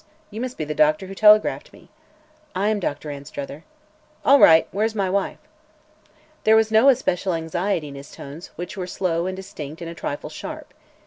You must be the doctor who telegraphed me." "I am Doctor Anstruther." "All right. Where's my wife?" There was no especial anxiety in his tones, which were slow and distinct and a trifle sharp.